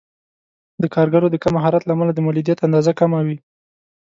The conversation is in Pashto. د کارګرو د کم مهارت له امله د مولدیت اندازه کمه وي.